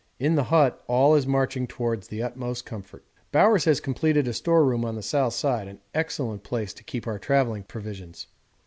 In the hut all is marching towards the utmost comfort. Bowers has completed a storeroom on the south side, an excellent place to keep our travelling provisions.